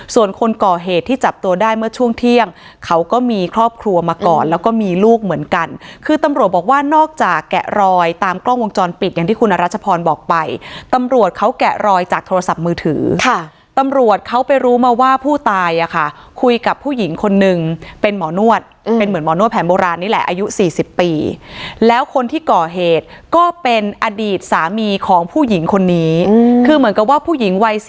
ส่วนคนก่อเหตุที่จับตัวได้เมื่อช่วงเที่ยงเขาก็มีครอบครัวมาก่อนแล้วก็มีลูกเหมือนกันคือตำรวจบอกว่านอกจากแกะรอยตามกล้องวงจรปิดอย่างที่คุณรัชพรบอกไปตำรวจเขาแกะรอยจากโทรศัพท์มือถือค่ะตำรวจเขาไปรู้มาว่าผู้ตายอ่ะค่ะคุยกับผู้หญิงคนนึงเป็นหมอนวดเป็นเหมือนหมอนวดแผนโบราณนี่แหละอาย